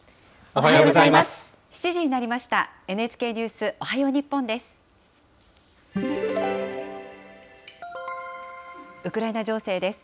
おはようございます。